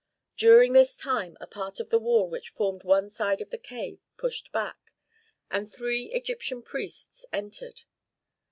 During this time a part of the wall which formed one side of the cave pushed back, and three Egyptian priests entered.